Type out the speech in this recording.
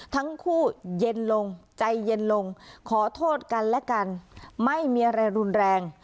ทั้งคู่เย็นลงใจเย็นลงขอโทษกันและกันไม่มีอะไรรุนแรง